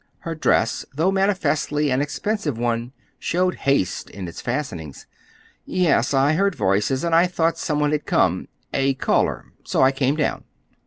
Her dress, though manifestly an expensive one, showed haste in its fastenings. "Yes, I heard voices, and I thought some one had come—a caller. So I came down."